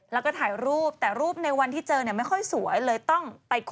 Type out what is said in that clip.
แล้วก็ถ่ายรูปแต่รูปในวันที่เห็น